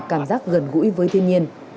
cảm giác gần gũi với thiên nhiên